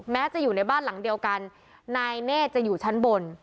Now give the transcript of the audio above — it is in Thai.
จะอยู่ในบ้านหลังเดียวกันนายเนธจะอยู่ชั้นบน